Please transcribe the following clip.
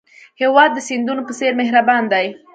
هېواد د سیندونو په څېر مهربان دی.